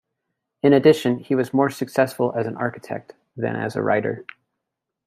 In addition, he was more successful as an architect than as a writer.